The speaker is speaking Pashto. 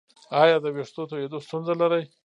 ایا د ویښتو تویدو ستونزه لرئ؟